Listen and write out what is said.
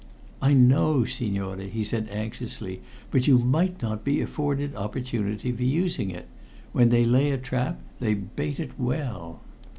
"I know, signore," he said anxiously. "But you might not be afforded opportunity for using it. When they lay a trap they bait it well."